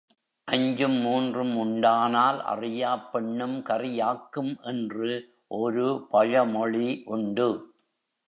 அஞ்சும் மூன்றும் உண்டானால் அறியாப் பெண்ணும் கறியாக்கும் என்று ஒரு பழமொழி உண்டு.